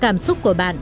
cảm xúc của bạn